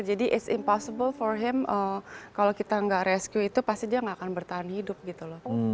jadi it's impossible for him kalau kita gak rescue itu pasti dia gak akan bertahan hidup gitu loh